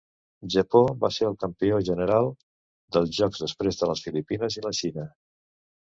Japó va ser el campió general dels Jocs després de les Filipines i la Xina.